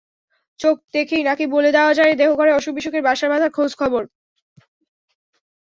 চোখ দেখেই নাকি বলে দেওয়া যায় দেহঘরে অসুখ-বিসুখের বাসা বাঁধার খোঁজ-খবর।